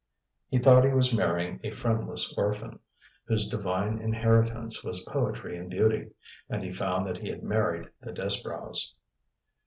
He thought he was marrying a friendless orphan, whose divine inheritance was poetry and beauty; and he found that he had married the Disbrowes.